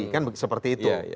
kan seperti itu